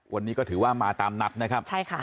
วันนี้ก็ถือว่ามาตามนัดนะครับใช่ค่ะ